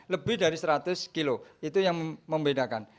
lebih dari seratus kilo itu yang membedakan